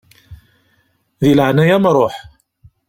Di leɛnaya-m ṛuḥ!